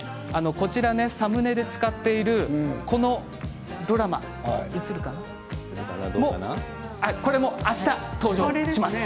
サムネで使っているこのドラマあした登場します。